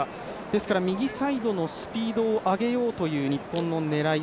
ですから、右サイドのスピードを上げようという日本の狙い。